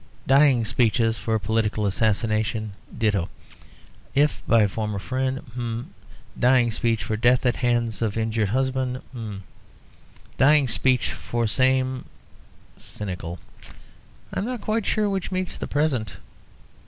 "Dying speech for political assassination; ditto, if by former friend h'm, h'm. Dying speech for death at hands of injured husband (repentant). Dying speech for same (cynical). I am not quite sure which meets the present...."